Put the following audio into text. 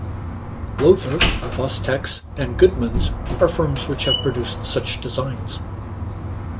Lowther, Fostex, and Goodmans are firms which have produced such designs.